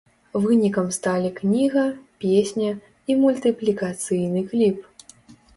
Вынікам сталі кніга, песня і мультыплікацыйны кліп.